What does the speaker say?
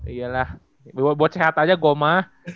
iya lah buat sehat aja goma